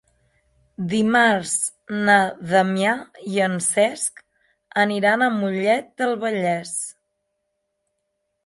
Dimarts na Damià i en Cesc aniran a Mollet del Vallès.